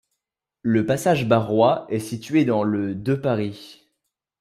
Le passage Barrois est situé dans le de Paris.